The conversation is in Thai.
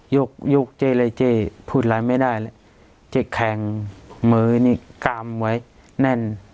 ยกยกเจ๊เลยเจ๊พูดอะไรไม่ได้เลยเจ๊แข็งมือนี่กำไว้แน่น